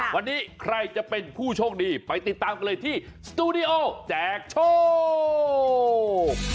วันนี้ใครจะเป็นผู้โชคดีไปติดตามกันเลยที่สตูดิโอแจกโชค